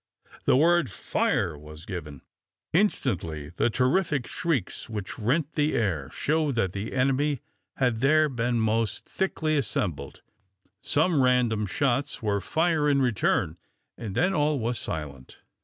The word "fire!" was given. Instantly the terrific shrieks which rent the air showed that the enemy had there most thickly assembled. Some random shots were fire in return, and then all was silent.